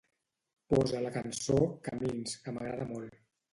Posa la cançó "Camins" que m'agrada molt